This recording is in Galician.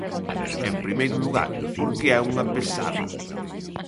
En primeiro lugar, porque é unha pesada.